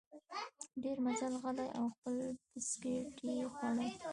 ډېر مزل غلی او خپل بسکیټ یې خوړل.